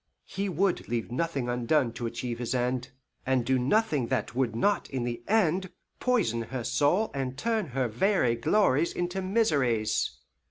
He would leave nothing undone to achieve his end, and do nothing that would not in the end poison her soul and turn her very glories into miseries.